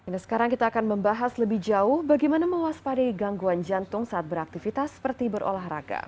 nah sekarang kita akan membahas lebih jauh bagaimana mewaspadai gangguan jantung saat beraktivitas seperti berolahraga